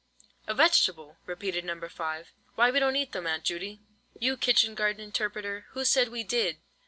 "A vegetable," repeated No. 5, "why we don't eat them, Aunt Judy." "You kitchen garden interpreter, who said we did?"